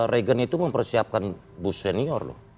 reagan itu mempersiapkan bush senior loh